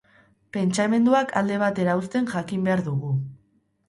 Pentsamenduak alde batera uzten jakin behar dugu.